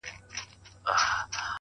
مُريد ښه دی ملگرو او که پير ښه دی ـ